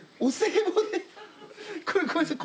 これごめんなさい